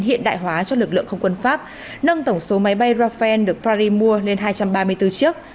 hiện đại hóa cho lực lượng không quân pháp nâng tổng số máy bay rafael được paris mua lên hai trăm ba mươi bốn chiếc